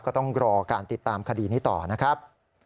ก็ต้องรอการติดตามคดีนี้ต่อนะครับ